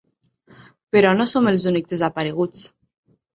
Però no som els únics desapareguts.